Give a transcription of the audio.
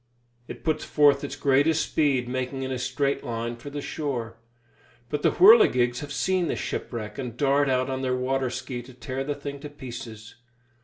It puts forth its greatest speed, making in a straight line for the shore. But the whirligigs have seen the shipwreck, and dart out on their water ski to tear the thing to pieces.